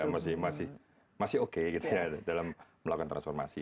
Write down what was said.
masih muda masih oke gitu ya dalam melakukan transformasi